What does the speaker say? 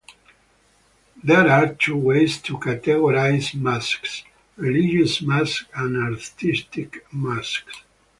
There are two ways to categorize masks: religious masks and artistic masks.